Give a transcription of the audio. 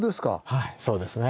はいそうですね。